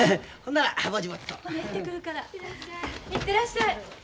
行ってらっしゃい。